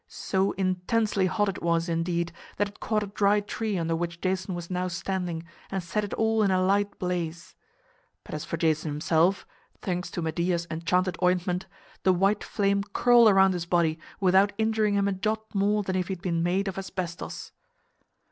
So intensely hot it was, indeed, that it caught a dry tree under which Jason was now standing and set it all in a light blaze. But as for Jason himself (thanks to Medea's enchanted ointment), the white flame curled around his body without injuring him a jot more than if he had been made of asbestos.